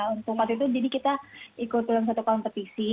untuk waktu itu jadi kita ikut dalam satu kompetisi